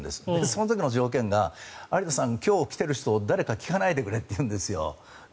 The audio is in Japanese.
その時の条件が有田さん、今日来ている人誰か聞かないでくれと言うんですよ。